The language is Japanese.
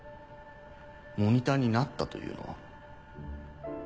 「モニターになった」というのは？